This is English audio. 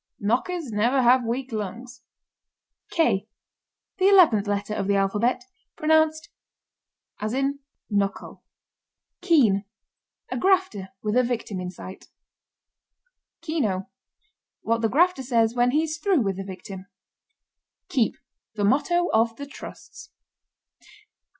Knockers never have weak lungs. ### K: The eleventh letter of the alphabet, pronounced K, as in Knuckle. ###KEEN. A grafter with a victim in sight. KENO. What the grafter says when he's through with the victim. KEEP. The motto of the Trusts.